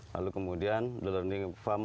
lalu kemudian the learning farm